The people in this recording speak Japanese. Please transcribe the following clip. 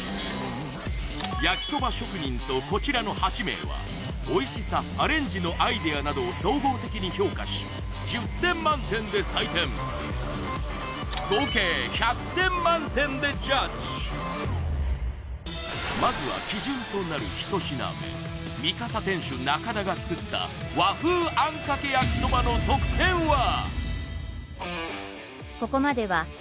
焼きそば職人とこちらの８名はおいしさアレンジのアイデアなどを総合的に評価し１０点満点で採点合計１００点満点でジャッジまずは基準となる１品目みかさ店主・中田が作った和風あんかけ焼きそばの得点は？